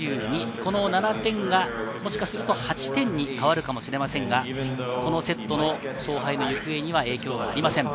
この７点がもしかすると８点に変わるかもしれませんが、このセットの勝敗の行方には影響はありません。